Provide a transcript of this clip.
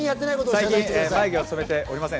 最近、眉毛を染めておりません。